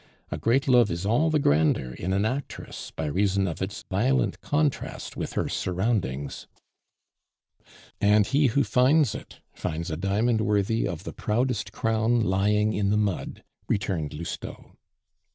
"A great love is all the grander in an actress by reason of its violent contrast with her surroundings." "And he who finds it, finds a diamond worthy of the proudest crown lying in the mud," returned Lousteau.